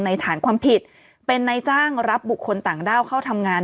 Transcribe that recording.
ฐานความผิดเป็นนายจ้างรับบุคคลต่างด้าวเข้าทำงาน